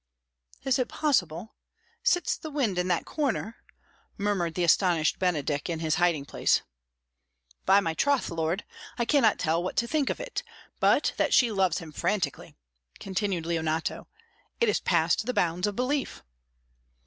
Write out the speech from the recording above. "Is it possible? Sits the wind in that corner?" murmured the astonished Benedick in his hiding place. "By my troth, my lord, I cannot tell what to think of it, but that she loves him frantically," continued Leonato. "It is past the bounds of belief."